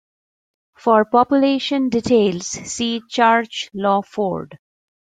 For population details see Church Lawford.